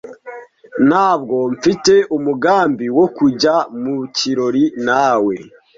Ntabwo mfite umugambi wo kujya mu kirori nawe.